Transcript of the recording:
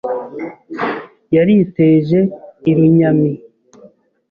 Yariteje i Runyami